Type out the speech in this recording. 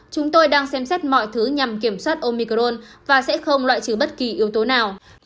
chúng tôi đang xem xét mọi thứ nhằm kiểm soát omicron và sẽ không loại trừ bất kỳ yếu tố nào